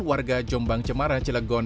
warga jombang cemara cilegon